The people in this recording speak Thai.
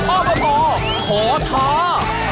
ออบอตอขอท้า